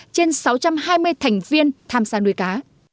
trên sáu trăm hai mươi thành viên tham gia nuôi cá